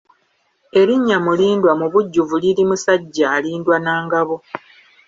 Erinnya Mulindwa mubujjuvu liri Musajja alindwa na ngabo.